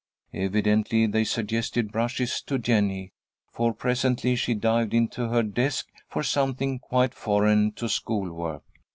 Evidently they suggested brushes to Jennie, for presently she dived into her desk for something quite foreign to school work.